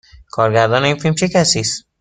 کارگردان این فیلم چه کسی است؟